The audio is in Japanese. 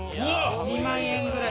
２万円ぐらい。